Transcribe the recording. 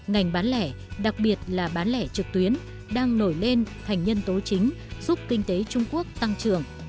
ngành bán lẻ đặc biệt là bán lẻ trực tuyến đang nổi lên thành nhân tố chính giúp kinh tế trung quốc tăng trưởng